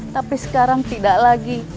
tapi sekarang tidak lagi